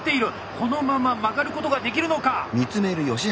このまま曲がることができるのか？